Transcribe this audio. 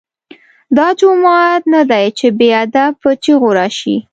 دا جومات نه دی چې بې ادب په چیغو راشې.